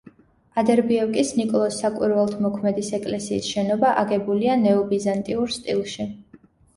ადერბიევკის ნიკოლოზ საკვირველთმოქმედის ეკლესიის შენობა აგებულია ნეობიზანტიურ სტილში.